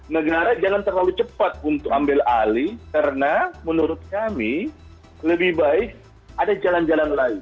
negara jangan terlalu cepat untuk ambil alih karena menurut kami lebih baik ada jalan jalan lain